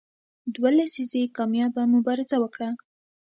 دوه لسیزې کامیابه مبارزه وکړه.